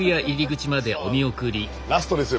さあラストですよ